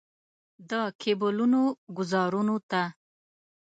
د کیبلونو ګوزارونو ته.